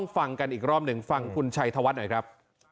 ฟังกันอีกรอบหนึ่งฟังคุณชัยธวัฒน์หน่อยครับ